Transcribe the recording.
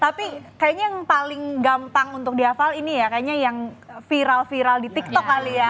tapi kayaknya yang paling gampang untuk dihafal ini ya kayaknya yang viral viral di tiktok kali ya